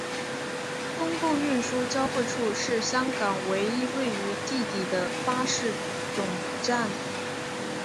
公共运输交汇处是香港唯一位于地底的巴士总站。